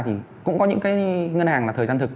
thì cũng có những cái ngân hàng là thời gian thực